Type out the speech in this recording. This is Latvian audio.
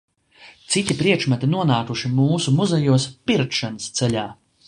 Citi priekšmeti nonākuši mūsu muzejos pirkšanas ceļā.